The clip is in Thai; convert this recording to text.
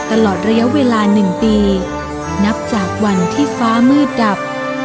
ตลอดระยะเวลา๑ปีนับจากวันที่ฟ้ามืดดับ